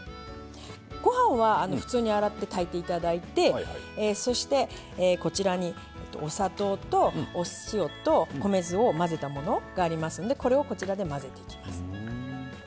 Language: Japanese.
ご飯は普通に洗って炊いていただいてそして、お砂糖と、お塩と米酢を混ぜたものがございますので混ぜていきます。